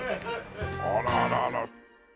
あららら。